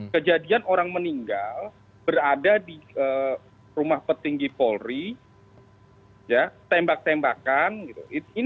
kejadian orang meninggal berada di rumah petinggi polri tembak tembakan gitu